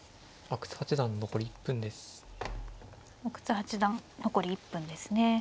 阿久津八段残り１分ですね。